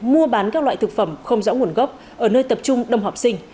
mua bán các loại thực phẩm không rõ nguồn gốc ở nơi tập trung đông học sinh